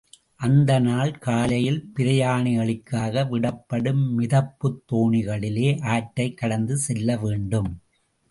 அடுத்த நாள் காலையில் பிரயாணிகளுக்காக விடப்படும் மிதப்புத் தோணிகளிலே ஆற்றைக் கடந்து செல்லவேண்டும்.